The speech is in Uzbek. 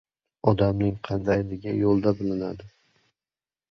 • Odamning qandayligi yo‘lda bilinadi.